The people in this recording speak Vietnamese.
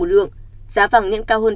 một lượng giá vàng nhãn cao hơn